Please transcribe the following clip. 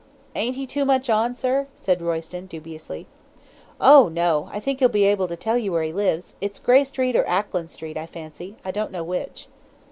"'Ain't he too much on, sir?' said Royston, dubiously. "'Oh, no! I think he'll be able to tell you where he lives it's Grey Street or Ackland Street, I fancy. I don't know which.'